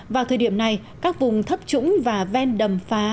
vào thời điểm này các vùng thấp trũng và ven đầm phá